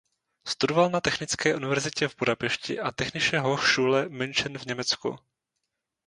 Studoval na Technické univerzitě v Budapešti a Technische Hochschule München v Německu.